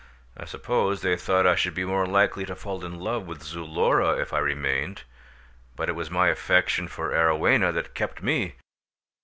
I suppose they thought I should be more likely to fall in love with Zulora if I remained, but it was my affection for Arowhena that kept me.